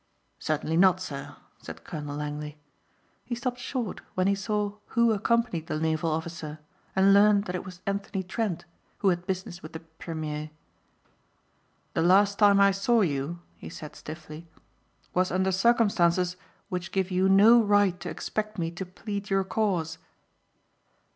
"Certainly not, sir," said Colonel Langley. He stopped short when he saw who accompanied the naval officer, and learned that it was Anthony Trent who had business with the premier. "The last time I saw you," he said stiffly, "was under circumstances which give you no right to expect me to plead your cause."